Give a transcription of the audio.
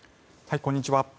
こんにちは。